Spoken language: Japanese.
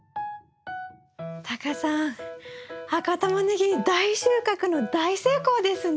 タカさん赤タマネギ大収穫の大成功ですね。